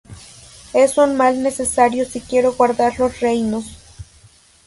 Es un mal necesario si quiero guardar los reinos.